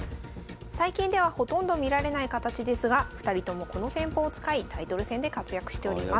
最近ではほとんど見られない形ですが２人ともこの戦法を使いタイトル戦で活躍しております。